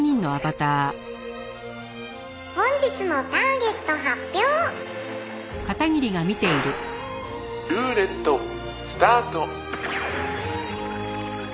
「本日のターゲット発表！」「ルーレットスタート！」